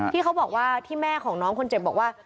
ที่เขาบอกว่าที่แม่ของน้องคนเจ็บบอกว่า